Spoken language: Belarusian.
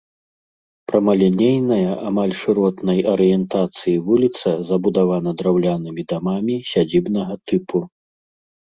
Прамалінейная амаль шыротнай арыентацыі вуліца забудавана драўлянымі дамамі сядзібнага тыпу.